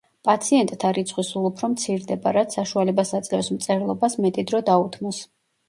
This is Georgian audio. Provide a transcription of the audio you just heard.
პაციენტთა რიცხვი სულ უფრო მცირდება, რაც საშუალებას აძლევს მწერლობას მეტი დრო დაუთმოს.